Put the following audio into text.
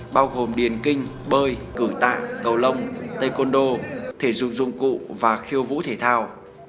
bao gồm điền kinh bơi cử tạ cầu lông tây côn đô thể dục dụng cụ và khiêu vũ thể thao